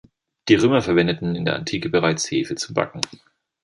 Die Römer verwendeten in der Antike bereits Hefe zum Backen.